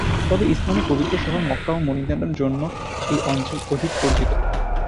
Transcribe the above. তবে ইসলামের পবিত্র শহর মক্কা ও মদিনার জন্য এই অঞ্চল অধিক পরিচিত।